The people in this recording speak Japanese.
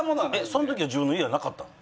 その時は自分の家はなかったの？